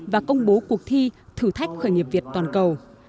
và công bố cuộc thi thử thách khởi nghiệp việt toàn cầu